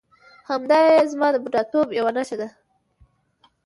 همدایې زما د بوډاتوب یوه نښه ده.